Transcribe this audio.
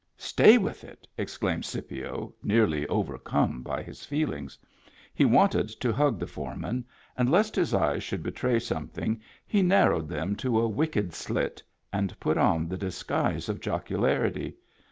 " Stay with it !" exclaimed Scipio, nearly over come by his feelings. He wanted to hug the foreman; and lest his eyes should betray some thing, he narrowed them to a wicked slit, and put on the disguise of jocularity.